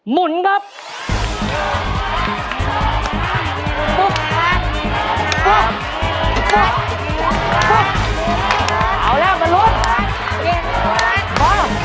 หมุนบอป